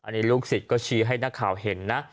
อันนี้ลูกศิษย์ก็ชี้ให้นักข่าวเห็นนะ